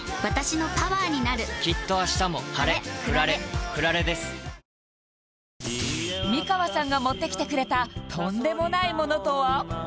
何これ美川さんが持ってきてくれたとんでもないものとは？